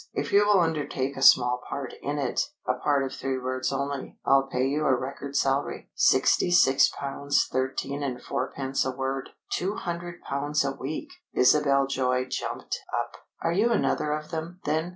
If you will undertake a small part in it, a part of three words only, I'll pay you a record salary sixty six pounds thirteen and fourpence a word, two hundred pounds a week!" Isabel Joy jumped up. "Are you another of them, then?"